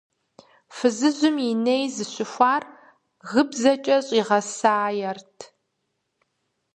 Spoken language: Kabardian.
Фызыжьым и ней зыщыхуар гыбзэкӏэ щӏигъэсаерт.